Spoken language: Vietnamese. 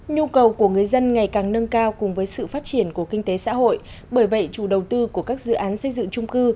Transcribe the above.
nhu cầu của người dân ngày càng nâng cao cùng với sự phát triển của kinh tế xã hội bởi vậy chủ đầu tư của các dự án xây dựng trung cư